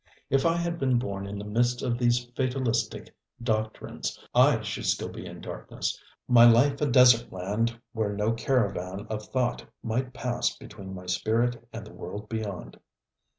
If I had been born in the midst of these fatalistic doctrines, I should still be in darkness, my life a desert land where no caravan of thought might pass between my spirit and the world beyond.